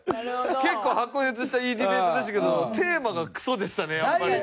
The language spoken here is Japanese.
結構白熱したいいディベートでしたけどテーマがクソでしたねやっぱり。